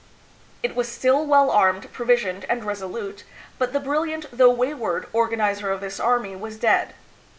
It was still well armed, provis ioned, and resolute; but the brilliant, though wayward, organizer of this army was dead.